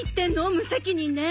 無責任ね！